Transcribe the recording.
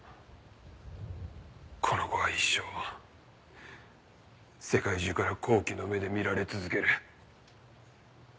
この子は一生世界中から好奇の目で見られ続ける。